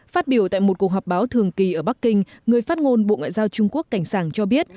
phát biểu tại một cuộc họp báo thường kỳ ở bắc kinh người phát ngôn bộ ngoại giao trung quốc cảnh sàng cho biết